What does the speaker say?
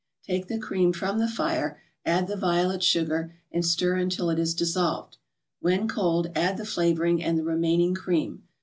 Take the cream from the fire, add the violet sugar, and stir until it is dissolved; when cold, add the flavoring and the remaining cream.